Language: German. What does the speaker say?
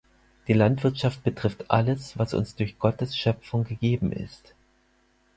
Die Landwirtschaft betrifft alles, was uns durch Gottes Schöpfung gegeben ist.